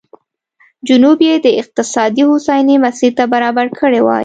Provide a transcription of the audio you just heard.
جنوب یې د اقتصادي هوساینې مسیر ته برابر کړی وای.